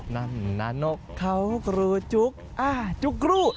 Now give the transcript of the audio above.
นั้นนกเขาครูจุ๊กอ้าาจุ๊กรู้